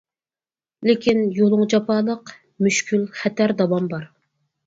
لېكىن يۇلۇڭ جاپالىق، مۈشكۈل خەتەر داۋان بار.